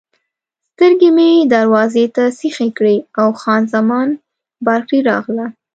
سترګې مې دروازې ته سیخې کړې او خان زمان بارکلي راغله.